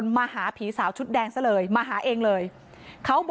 เมื่อเวลาอันดับ